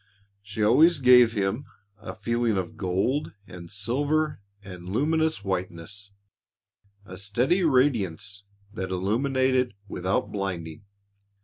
She always gave him a feeling of gold and silver and luminous whiteness, a steady radiance that illuminated without blinding.